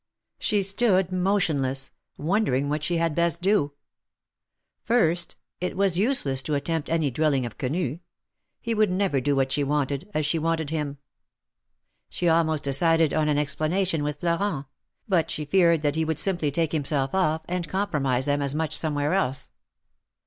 She stood motionless, wondering what she had best do. First, it was useless to attempt any drilling of Quenu : he would never do what she Avanted, as she Avanted him. She almost decided on an explanation Avith Florent, but she feared that he Avould simply take himself THE MARKETS OF PARIS. 229 off and compromise them as much somewhere else.